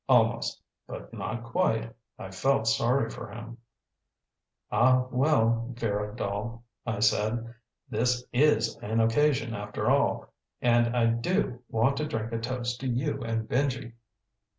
Almost but not quite I felt sorry for him. "Ah, well, Vera doll," I said, "this is an occasion, after all. And I do want to drink a toast to you and Benji."